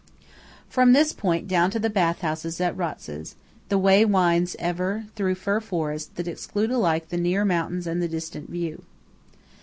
From this point down to the Bath House at Ratzes, the way winds ever through fir forests that exclude alike the near mountains and the distant view.